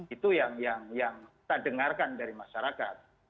itu yang kita dengarkan dari masyarakat